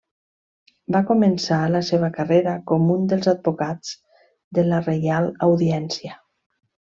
Va començar la seva carrera com un dels advocats de la Reial Audiència.